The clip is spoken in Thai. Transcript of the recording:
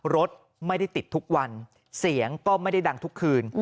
รถไม่ได้ติดทุกวันเสียงก็ไม่ได้ดังทุกคืน